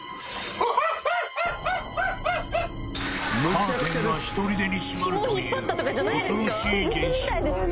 カーテンがひとりでに閉まるという恐ろしい現象